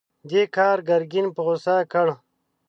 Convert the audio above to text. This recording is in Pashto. دې کار ګرګين په غوسه کړ.